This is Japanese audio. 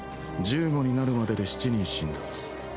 １５になるまでで７人死んだ